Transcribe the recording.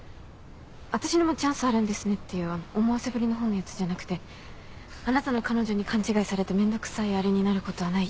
「私にもチャンスあるんですね」っていうあの思わせぶりな方のやつじゃなくて「あなたの彼女に勘違いされてめんどくさいあれになることはない。